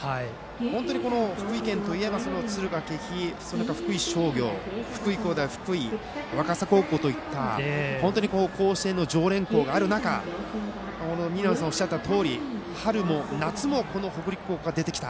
本当に福井県といえば、敦賀気比福井商業、福井工大福井若狭高校といった甲子園の常連校がある中見浪さんがおっしゃったとおり春も夏も北陸高校が出てきた。